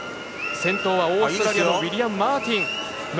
先頭はオーストラリアウィリアム・マーティン。